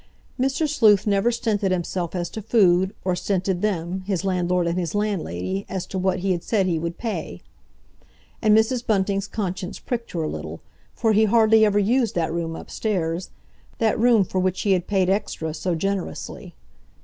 Mr. Sleuth never stinted himself as to food, or stinted them, his landlord and his landlady, as to what he had said he would pay. And Mrs. Bunting's conscience pricked her a little, for he hardly ever used that room upstairs—that room for which he had paid extra so generously.